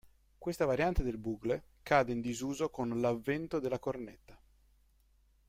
Questa variante del bugle cadde in disuso con l'avvento della cornetta.